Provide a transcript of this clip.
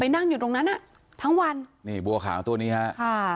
นั่งอยู่ตรงนั้นอ่ะทั้งวันนี่บัวขาวตัวนี้ฮะค่ะ